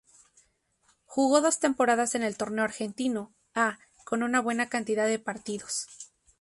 Jugó dos temporadas en el Torneo Argentino A con una buena cantidad de partidos.